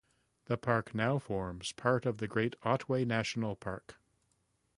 The park now forms part of the Great Otway National Park.